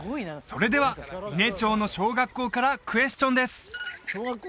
それでは伊根町の小学校からクエスチョンです